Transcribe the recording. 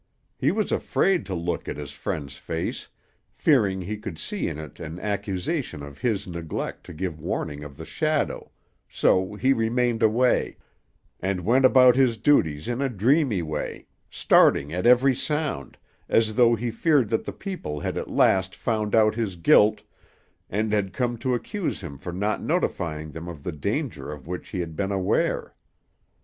He was afraid to look at his friend's face, fearing he could see in it an accusation of his neglect to give warning of the shadow, so he remained away, and went about his duties in a dreamy way, starting at every sound, as though he feared that the people had at last found out his guilt, and had come to accuse him for not notifying them of the danger of which he had been aware.